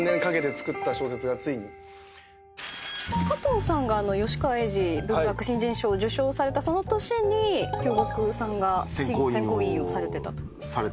加藤さんが吉川英治文学新人賞を受賞されたその年に京極さんが選考委員をされてたと。